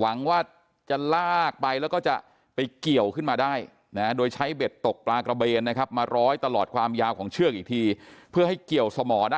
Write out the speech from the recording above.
หวังว่าจะลากไปแล้วก็จะไปเกี่ยวขึ้นมาได้นะโดยใช้เบ็ดตกปลากระเบนนะครับมาร้อยตลอดความยาวของเชือกอีกทีเพื่อให้เกี่ยวสมอได้